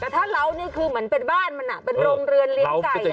แต่ถ้าเรานี่คือเหมือนเป็นบ้านมันเป็นโรงเรือนเลี้ยงไก่